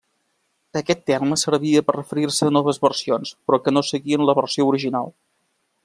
Aquest terme servia per referir-se a noves versions però que no seguien la versió original.